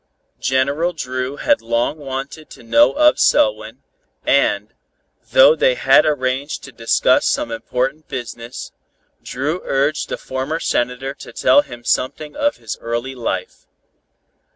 General Dru had long wanted to know of Selwyn, and, though they had arranged to discuss some important business, Dru urged the former Senator to tell him something of his early life.